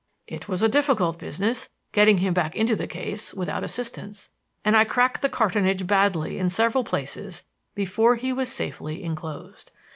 "It was a difficult business getting him into the case without assistance, and I cracked the cartonnage badly in several places before he was safely enclosed.